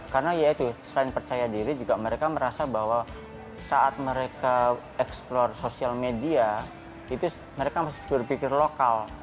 karena ya itu selain percaya diri juga mereka merasa bahwa saat mereka explore sosial media itu mereka harus berpikir lokal